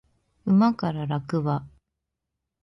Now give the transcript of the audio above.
馬から落馬